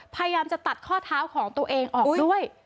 พยายามจะตัดข้อเท้าของตัวเองออกด้วย